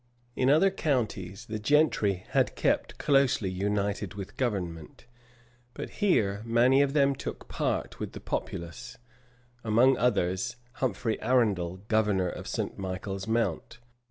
In other counties, the gentry had kept closely united with government; but here many of them took part with the populace among others, Humphrey Arundel, governor of St. Michael's Mount.